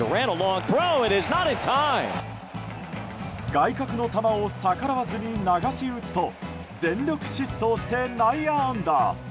外角の球を逆らわずに流し打つと全力疾走して内野安打。